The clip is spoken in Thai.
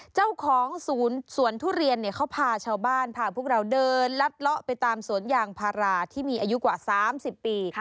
เจ้าของสวนทุเรียนเขาพาชาวบ้านพาพวกเราเดินลัดเลาะไปตามสวนยางพาราที่มีอายุกว่า๓๐ปี